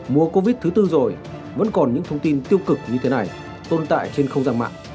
mùa covid thứ tư rồi vẫn còn những thông tin tiêu cực như thế này tồn tại trên không gian mạng